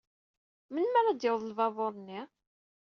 Melmi ara d-yaweḍ lbabuṛ-nni?